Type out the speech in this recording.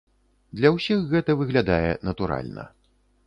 Для ўсіх гэта выглядае натуральна.